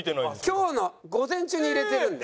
今日の午前中に入れてるんで。